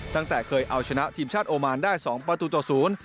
ตั้งแต่เคยเอาชนะทีมชาติโอมานได้สองประตูต่อศูนย์